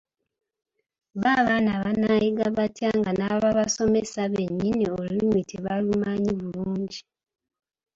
Bbo abaana banaayiga batya nga n’ab'abasomesa bennyini Olulimi tebalumanyi bulungi.